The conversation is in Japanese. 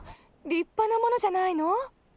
立派なものじゃないの？